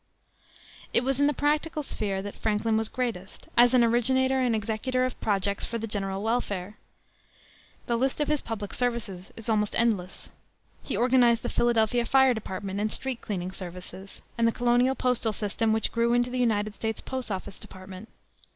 It was in the practical sphere that Franklin was greatest, as an originator and executor of projects for the general welfare. The list of his public services is almost endless. He organized the Philadelphia fire department and street cleaning service, and the colonial postal system which grew into the United States Post Office Department.